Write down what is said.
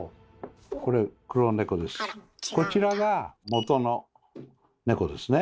こちらが元の猫ですね。